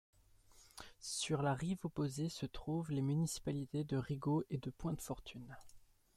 Sur la rive opposée se trouvent les municipalités de Rigaud et Pointe-Fortune.